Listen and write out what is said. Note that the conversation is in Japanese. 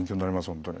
本当に。